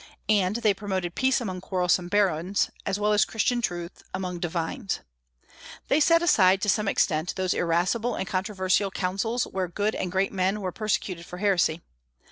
And they promoted peace among quarrelsome barons, as well as Christian truth among divines. They set aside, to some extent, those irascible and controversial councils where good and great men were persecuted for heresy.